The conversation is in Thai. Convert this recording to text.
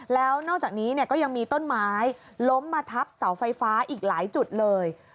แล้วนอกจากนี้ก็ยังมีต้นไม้ล้มมาทับเสาไฟฟ้าอีกหลายจุดเลย